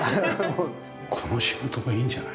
この仕事もいいんじゃない？